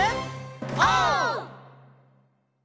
オー！